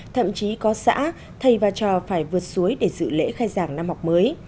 thậm chí có xã thầy và trò phải vượt suối để dự lễ khai giảng năm học mới